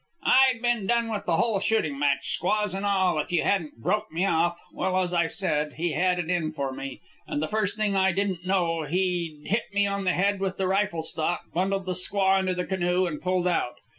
"I'd been done with the whole shooting match, squaws and all, if you hadn't broke me off. Well, as I said, he had it in for me, and the first thing I didn't know, he'd hit me on the head with a rifle stock, bundled the squaw into the canoe, and pulled out.